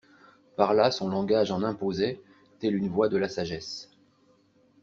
Par là son langage en imposait, telle une voix de la sagesse.